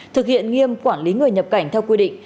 thực hiện nghiêm quản lý người nhập cảnh theo quy định